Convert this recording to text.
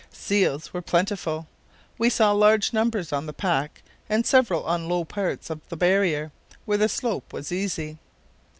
Seals were plentiful. We saw large numbers on the pack and several on low parts of the barrier, where the slope was easy.